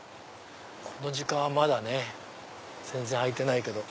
この時間はまだね全然開いてないけど。